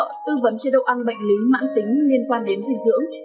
tư vấn chế độ ăn bệnh lý mãn tính liên quan đến dinh dưỡng